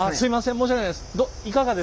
申し訳ないです。